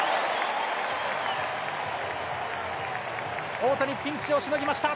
大谷ピンチをしのぎました。